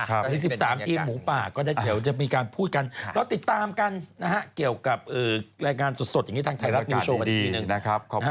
และที่๑๓ที่หมูป่าก็จะมีการพูดกันและติดตามกันเกี่ยวกับรายงานสดอย่างที่ทางไทยรัฐนิวส์โชว์กันอีกทีหนึ่ง